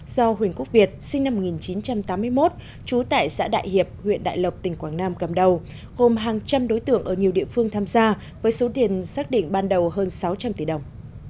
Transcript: do huỳnh quốc việt sinh năm một nghìn chín trăm tám mươi một trú tại xã đại hiệp huyện đại lộc tỉnh quảng nam cầm đầu gồm hàng trăm đối tượng ở nhiều địa phương tham gia với số tiền xác định ban đầu hơn sáu trăm linh tỷ đồng